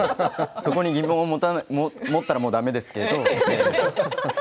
そこに疑問を持ったらもうだめですけど。